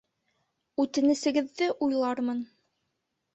Үтенесеғеҙҙе уйлармын...